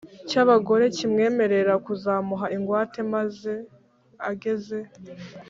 cy’abagore kimwemerera kuzamuha ingwate maze ageze